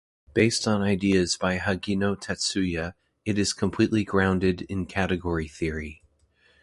Based on ideas by Hagino Tatsuya, it is completely grounded in category theory.